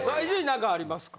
何かありますか？